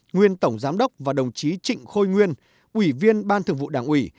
nguyên tổng giám đốc và đồng chí trịnh khôi nguyên ủy viên ban thường vụ đảng ủy